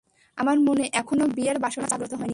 আমার মনে এখনও বিয়ের বাসনা জাগ্রত হয়নি।